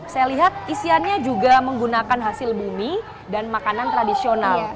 saya lihat isiannya juga menggunakan hasil bumi dan makanan tradisional